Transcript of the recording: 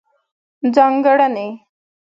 ځانګړنې: